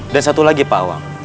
dan satu lagi pawang